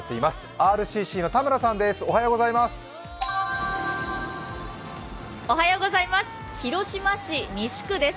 ＲＣＣの田村さんです。